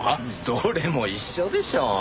どれも一緒でしょ。